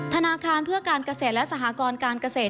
ธนาคารเพื่อการเกษตรและสหกรการเกษตร